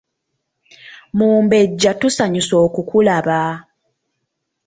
Mumbejja tusanyuse okukulaba.